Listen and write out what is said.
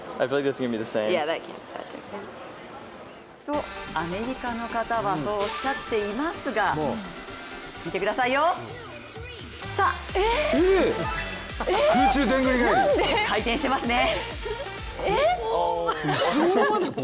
とアメリカの方はそうおっしゃっていますが見てくださいよ、さあ回転してますね。